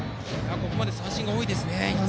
ここまで三振が多いですね。